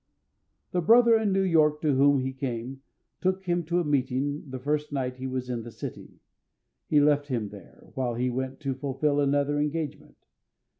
The brother in New York to whom he came took him to a meeting the first night he was in the city, and left him there, while he went to fulfil another engagement.